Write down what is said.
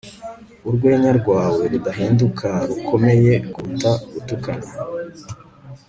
Urwenya rwawe rudahinduka rukomeye kuruta gutukana